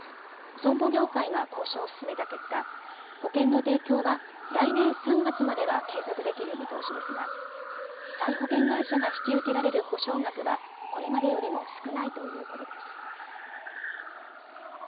損保業界が交渉を進めた結果、保険の提供は来年３月までは継続できる見通しですが再保険会社が引き受けられる補償額はこれまでよりも少ないということです。